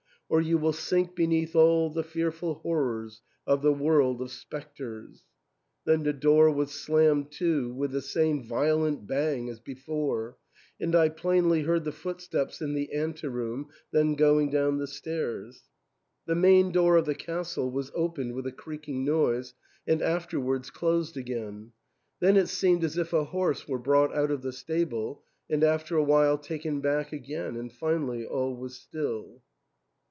or you will sink beneath all the fearful horrors of the world of spectres." Then the door was slammed too with the same violent bang as before, and I plainly heard the footsteps in the anteroom, then going down the stairs. The main door of the castle was opened with a creaking noise, and afterwards THE ENTAIL. 229 closed again. Then it seemed as if a horse were brought out of the stable, and after a while taken back again, and finally all was still.